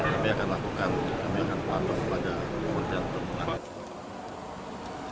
kami akan lakukan kami akan patuh kepada kementerian perhubungan